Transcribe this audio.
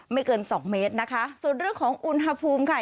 เกินสองเมตรนะคะส่วนเรื่องของอุณหภูมิค่ะ